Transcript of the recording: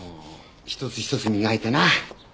一つ一つ磨いてな。